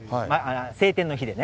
晴天の日でね。